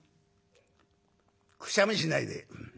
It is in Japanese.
くしゃみしないで。